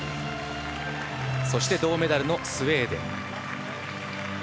そして、銅メダルのスウェーデン。